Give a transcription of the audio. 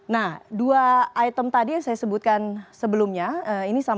nah dua item tadi yang saya sebutkan sebelumnya